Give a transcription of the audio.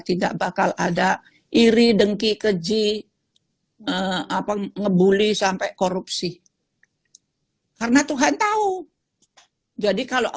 tidak bakal ada iri dengki keji apa ngebully sampai korupsi karena tuhan tahu jadi kalau